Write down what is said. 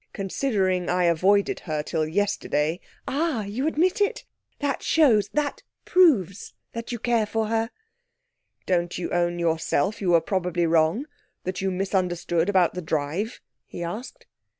'Considering I've avoided her till yesterday ' 'Ah, you admit it! That shows that proves you care for her.' 'Don't you own yourself you were probably wrong that you misunderstood about the drive?' he asked.